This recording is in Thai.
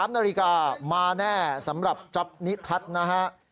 ๓นาฬิกามาแน่สำหรับจ๊อปนิทัศน์นะฮะ